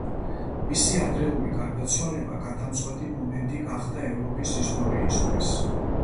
მისი ადრეული გარდაცვალება გადამწყვეტი მომენტი გახდა ევროპის ისტორიისთვის.